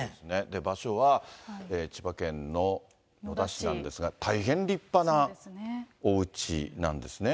場所は千葉県の野田市なんですが、大変立派なおうちなんですね。